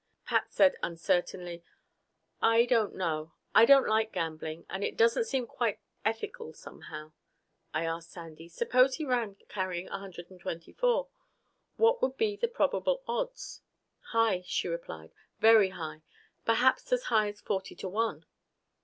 Pat said uncertainly, "I don't know. I don't like gambling. And it doesn't seem quite ethical, somehow " I asked Sandy, "Suppose he ran carrying 124. What would be the probable odds?" "High," she replied, "Very high. Perhaps as high as forty to one."